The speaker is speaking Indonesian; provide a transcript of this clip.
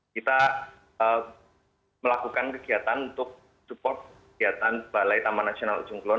kita melakukan kegiatan untuk support kegiatan balai taman nasional ujung kulon